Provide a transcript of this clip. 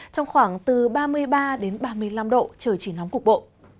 trong khoảng từ ba mươi ba đến ba mươi năm độ trời chỉ nóng cục bộ